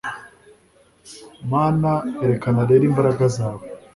Mana erekana rero imbaraga zawe